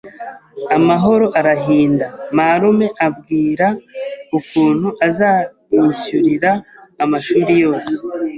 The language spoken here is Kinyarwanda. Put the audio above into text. amahoro arahinda, marume ambwira ukuntu azanyishyurira amashuri yose